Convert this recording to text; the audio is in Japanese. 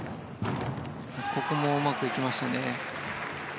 ここもうまくいきましたね。